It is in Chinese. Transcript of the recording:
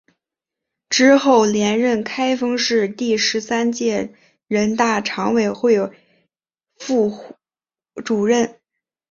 之后连任开封市第十三届人大常委会副主任。